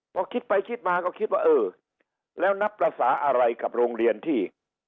พอคิดไปคิดมาก็คิดว่าเออแล้วนับภาษาอะไรกับโรงเรียนที่